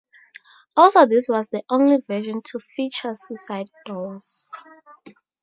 Also this was the only version to feature suicide doors.